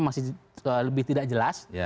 masih lebih tidak jelas